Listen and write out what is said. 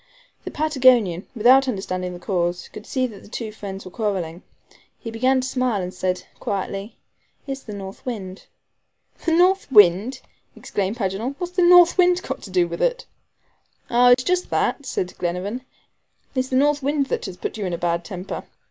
The Patagonian, without understanding the cause, could see that the two friends were quarreling. He began to smile, and said quietly: "It's the north wind." "The north wind," exclaimed Paganel; "what's the north wind to do with it?" "Ah, it is just that," said Glenarvan. "It's the north wind that has put you in a bad temper.